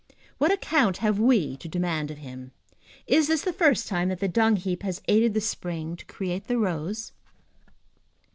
What account have we to demand of him? Is this the first time that the dung heap has aided the spring to create the rose?